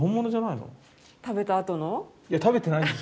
いや食べてないですよ。